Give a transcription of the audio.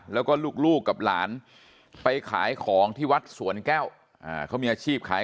แล้วก็ลูกกับหลานไปขายของที่วัดสวนแก้วเขามีอาชีพขาย